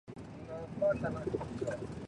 首府为伊洛伊洛市。